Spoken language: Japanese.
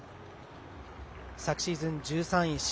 昨シーズン１３位。